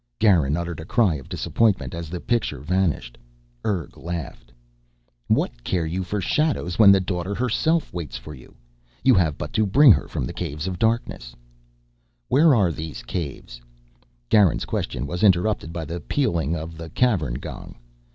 Garin uttered a cry of disappointment as the picture vanished. Urg laughed. "What care you for shadows when the Daughter herself waits for you? You have but to bring her from the Caves of Darkness " "Where are these Caves " Garin's question was interrupted by the pealing of the Cavern gong.